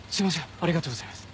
ありがとうございます。